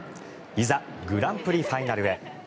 いざ、グランプリファイナルへ。